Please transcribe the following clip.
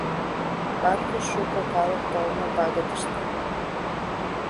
Банкыш шуко калык толмо пагытыште!..